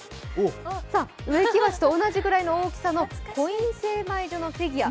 植木鉢と同じぐらいの大きさのコイン精米所のフィギュア。